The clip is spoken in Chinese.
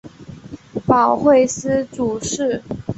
保惠司主事。